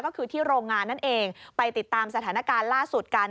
ก็คือที่โรงงานนั่นเองไปติดตามสถานการณ์ล่าสุดกัน